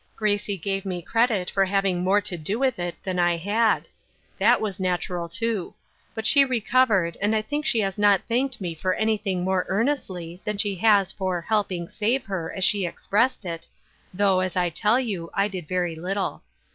Gracie gave me credit for having more to do with it than I had ; that was natural, too ; but she recovered, and I think she has not thanked me for anything more earnestly than she has for ' helping save ' her, as she expressed it, though, as I tell you, I did very little.